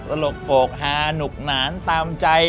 สโรคโปรกหานุกนานตามใจ